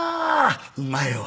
うまいわ。